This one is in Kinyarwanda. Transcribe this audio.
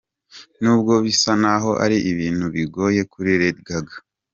N’ubwo bisa naho ari ibintu bigoye kuri Lady Gaga.